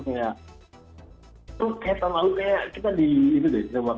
insya allah semuanya yang kompetit yang mungkin tidak mudik